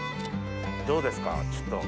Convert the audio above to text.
どうですか？